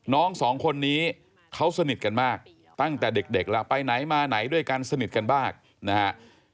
สองคนนี้เขาสนิทกันมากตั้งแต่เด็กแล้วไปไหนมาไหนด้วยกันสนิทกันมากนะฮะ